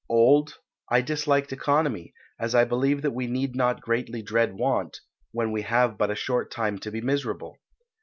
Old, I disliked economy; as I believe that we need not greatly dread want, when we have but a short time to be miserable.